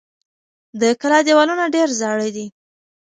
د کلا دېوالونه ډېر زاړه دي.